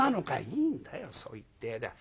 「いいんだよそう言ってやりゃ。